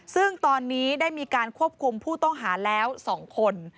ซึ่งตอนนี้ได้มีการควบคุมผู้ต้องหาแล้ว๒คน